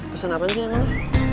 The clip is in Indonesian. pesen apaan sih emang